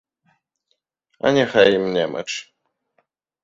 А няхай ім немач!